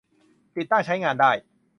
ติดตั้งใช้งานได้